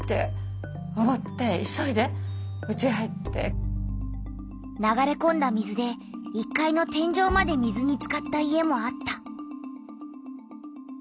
そして流れこんだ水で１階の天じょうまで水につかった家もあった。